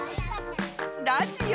ラジオ。